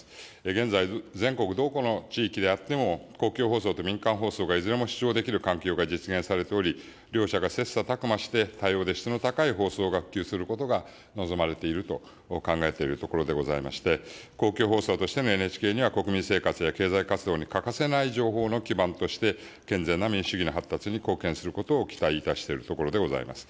現在、全国どこの地域であっても、公共放送と民間放送がいずれも視聴できる環境が実現されており、両者が切さたく磨して、多様で質の高い放送が普及することが望まれていると考えているところでございまして、公共放送としてのＮＨＫには、国民生活や経済活動に欠かせない情報の基盤として、健全な民主主義の発達に貢献することを期待いたしているところでございます。